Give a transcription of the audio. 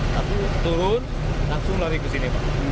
lalu turun langsung lari ke sini